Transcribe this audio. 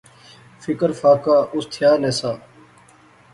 فکر فاقہ اس تھیا نہسا